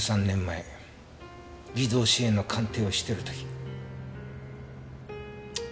１３年前偽造紙幣の鑑定をしてる時。